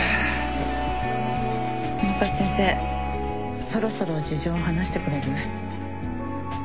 甘春先生そろそろ事情話してくれる？